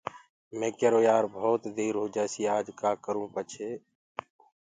مي ڪيرو يآر ڀوتَ دير هوجآسي آج ڪآ ڪرونٚ پڇي